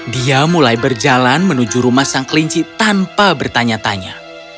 dia mulai berjalan menuju rumah sang kelinci tanpa bertanya tanya